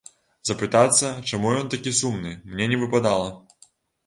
Запытацца, чаму ён такі сумны, мне не выпадала.